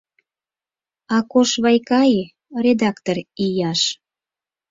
— Акош Вайкаи, редактор Ийаш.